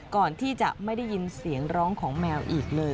ก่อนที่จะไม่ได้ยินเสียงร้องของแมวอีกเลย